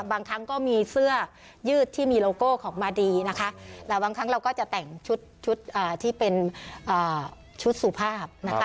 บางครั้งก็มีเสื้อยืดที่มีโลโก้ของมาดีนะคะแล้วบางครั้งเราก็จะแต่งชุดชุดที่เป็นชุดสุภาพนะคะ